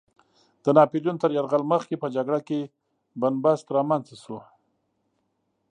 د ناپیلیون تر یرغل مخکې په جګړه کې بن بست رامنځته شو.